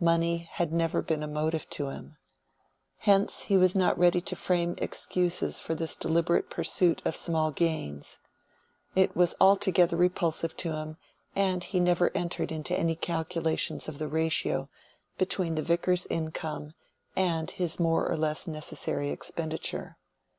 Money had never been a motive to him. Hence he was not ready to frame excuses for this deliberate pursuit of small gains. It was altogether repulsive to him, and he never entered into any calculation of the ratio between the Vicar's income and his more or less necessary expenditure.